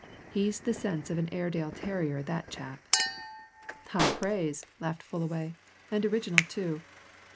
he's the sense of an Airedale terrier, that chap!" "High praise," laughed Fullaway. "And original too.